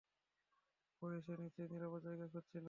ভয়ে, সে নিশ্চয়ই নিরাপদ জায়গা খুঁজছিল।